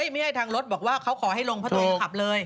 ไม่ให้ทางรถบอกว่าเขาขอให้ลงเพราะตัวเองขับเลย